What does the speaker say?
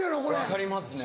分かりますね。